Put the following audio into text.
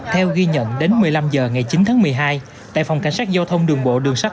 theo ghi nhận đến một mươi năm h ngày chín tháng một mươi hai tại phòng cảnh sát giao thông đường bộ đường sắt